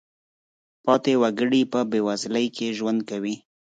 پاتې وګړي په بېوزلۍ کې ژوند کوي.